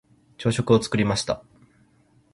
朝食を作りました。